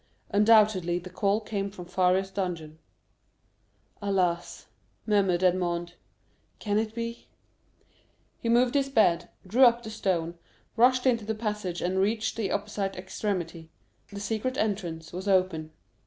Undoubtedly the call came from Faria's dungeon. "Alas," murmured Edmond; "can it be?" He moved his bed, drew up the stone, rushed into the passage, and reached the opposite extremity; the secret entrance was open.